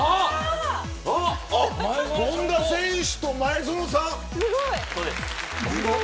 権田選手と前園さん。